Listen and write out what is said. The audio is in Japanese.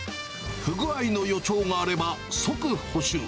不具合の予兆があれば、即補修。